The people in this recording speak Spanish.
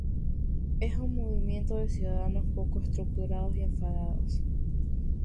es un movimiento de ciudadanos pocos estructurados y enfadados